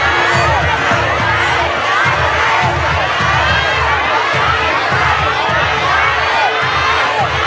ใช้